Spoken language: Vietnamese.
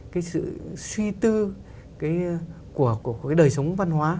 cái sự suy tư của đời sống văn hóa